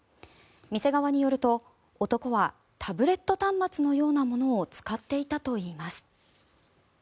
店側によると、男はタブレット端末のようなものを使っていたといいます。